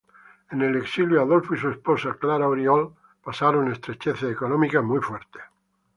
En el exilio, Adolfo y su esposa Clara Oriol pasaron estrecheces económicas muy fuertes.